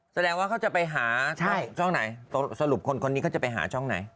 แสดงว่าเขาจะไปหาช่องไหนสรุปคนคนนี้เขาจะไปหาช่องไหน